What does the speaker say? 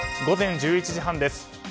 午前１１時半です。